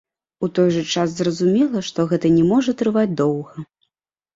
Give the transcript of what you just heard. У той жа час зразумела, што гэта не можа трываць доўга.